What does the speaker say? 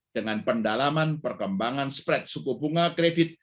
dengan pendalaman perkembangan spret suku bunga kredit